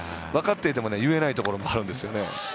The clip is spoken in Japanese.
分かっていても言えないところもあるんですよね。